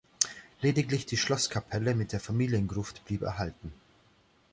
Lediglich die Schlosskapelle mit der Familiengruft blieb erhalten.